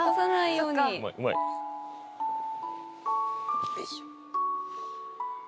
よいしょ